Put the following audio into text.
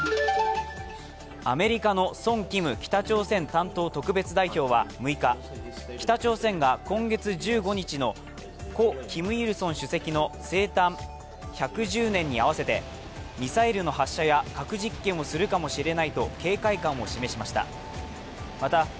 アメリカのソン・キム北朝鮮担当特別代表は６日、北朝鮮が今月１５日の故キム・イルソン主席の生誕１１０年に合わせてミサイルの発射や核実験をするかもしれないと警戒感を示しました。